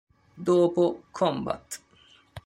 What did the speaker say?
Dopo "Combat!